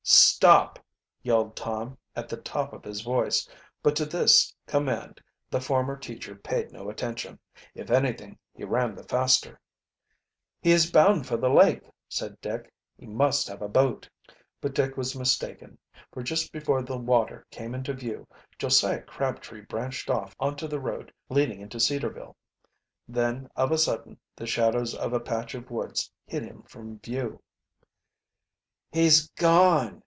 "Stop!" yelled Tom, at the top of his voice, but to this command the former, teacher paid no attention. If anything, he ran the faster. "He is bound for the lake," said Dick. "He must have a boat." But Dick was mistaken, for just before the water came into view Josiah Crabtree branched off onto the road leading into Cedarville. Then of a sudden the shadows of a patch of woods hid him from view. "He's gone!"